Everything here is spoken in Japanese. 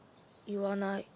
言わない。